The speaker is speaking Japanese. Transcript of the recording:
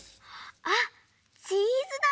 あっチーズだ！